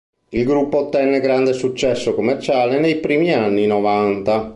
Il gruppo ottenne grande successo commerciale nei primi anni novanta.